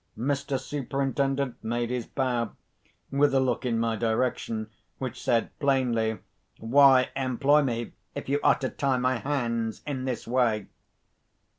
Mr. Superintendent made his bow, with a look in my direction, which said plainly, "Why employ me, if you are to tie my hands in this way?"